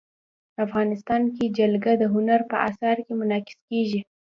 افغانستان کې جلګه د هنر په اثار کې منعکس کېږي.